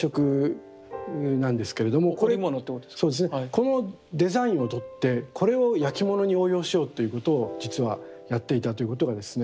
このデザインをとってこれをやきものに応用しようということを実はやっていたということがですね